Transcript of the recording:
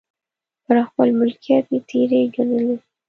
پر خپل ملکیت یې تېری ګڼلی.